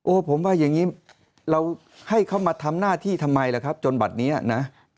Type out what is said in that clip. ผมว่าอย่างนี้เราให้เขามาทำหน้าที่ทำไมล่ะครับจนบัตรนี้นะ